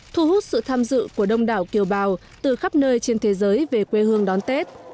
thu hút sự tham dự của đông đảo kiều bào từ khắp nơi trên thế giới về quê hương đón tết